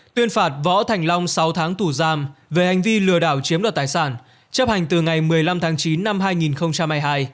tuyên phạt võ thành long sáu tháng tù giam về hành vi lừa đảo chiếm đoạt tài sản chấp hành từ ngày một mươi năm tháng chín năm hai nghìn hai mươi hai